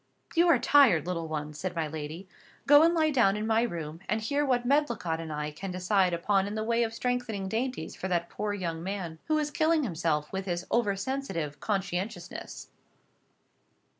"You are tired, little one," said my lady. "Go and lie down in my room, and hear what Medlicott and I can decide upon in the way of strengthening dainties for that poor young man, who is killing himself with his over sensitive conscientiousness."